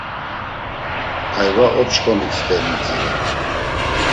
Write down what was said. Ayva op̆ç̆k̆omit steri idziren.